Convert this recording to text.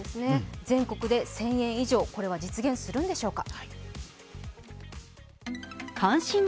全国で１０００円以上これは実現するんでしょうか。